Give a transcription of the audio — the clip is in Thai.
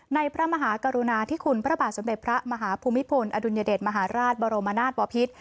พระมหากรุณาธิคุณพระบาทสมเด็จพระมหาภูมิพลอดุลยเดชมหาราชบรมนาศบอพิษ